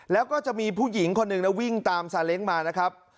แล้วก็จะมีผู้หญิงคนหนึ่งนะวิ่งตามซาเล้งมานะครับ